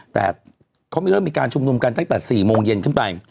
แต่เขาไม่เริ่มมีการชุมนุมกันตั้งแต่๔โมงเย็นขึ้นไป